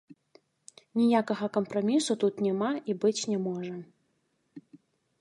Ніякага кампрамісу тут няма і быць не можа.